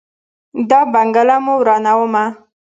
دا بنګله مو ورانومه.